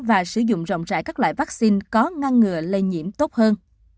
và sử dụng rộng rãi các loại vaccine có ngăn ngừa lây nhiễm tốt hơn